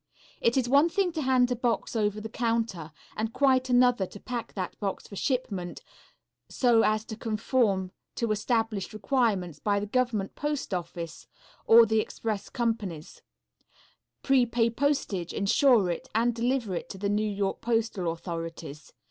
It is one thing to hand a box over the counter, and quite another to pack that box for shipment so as to conform to established requirements by the government post office or the express companies, prepay postage, insure it, and deliver it to the New York postal authorities.